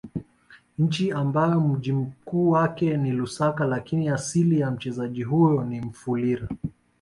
Nchi ambayo mji mkuu wake ni Lusaka lakini asili ya mchezaji huyo ni Mufulira